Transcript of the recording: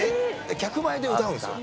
客前で歌うんですよ。